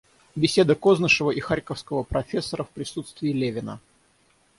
Беседа Кознышева и харьковского профессора в присутствии Левина.